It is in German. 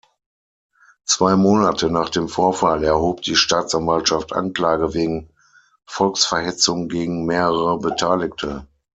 Zwei Monate nach dem Vorfall erhob die Staatsanwaltschaft Anklage wegen Volksverhetzung gegen mehrere Beteiligte.